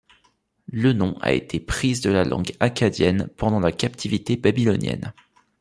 Le nom a été prise de la langue akkadienne pendant la captivité babylonienne.